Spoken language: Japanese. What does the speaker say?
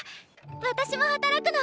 私も働くの！